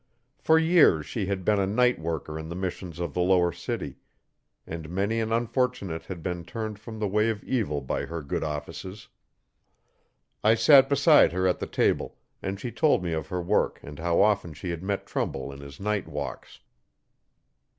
For years she had been a night worker in the missions of the lower city, and many an unfortunate had been turned from the way of evil by her good offices. I sat beside her at the table, and she told me of her work and how often she had met Trumbull in his night walks.